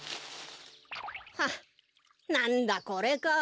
はっなんだこれか。